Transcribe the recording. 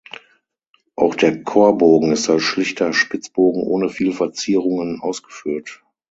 Auch der Chorbogen ist als schlichter Spitzbogen ohne viel Verzierungen ausgeführt.